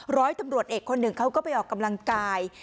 ร้อยตำรวจเอกคนหนึ่งเขาก็ไปออกกำลังกาย